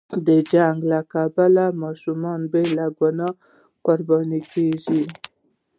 د جنګ له کبله ماشومان بې له ګناه قرباني کېږي.